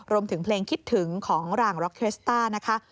รวมถึงเพลงคิดถึงของรางร็อกเคสต้านะคะ